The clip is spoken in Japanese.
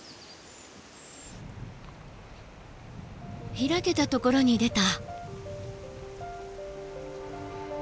開けたところに出た。